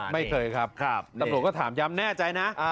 ไม่เคยครับตำรวจก็ถามย้ำแน่ใจนะ